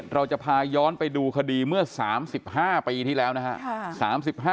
เราจะพาย้อนไปดูคดีเมื่อ๓๕ปีที่แล้วนะครับ